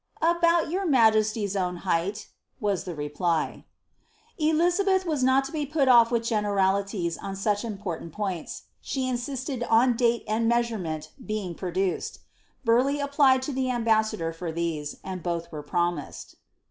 "About your majesty's own height," was the reply. Elizabeth was not to be put off with generalities on such important points — she in tiated on date and measurement being produced. Burleigh applied la the ambassador for these, and both were promised.